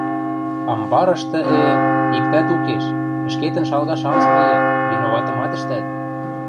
— Амбарышты, э, иктӓт укеш, ӹшкетӹн шалгаш ам смейӹ, виноватымат ӹштӓт